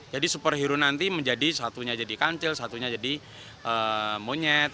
jadi superhero nanti menjadi satunya jadi kancil satunya jadi monyet